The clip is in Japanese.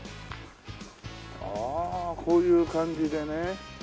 ああこういう感じでね。